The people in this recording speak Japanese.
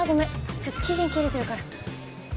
ちょっと期限切れてるから。